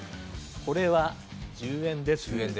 これは１０円です。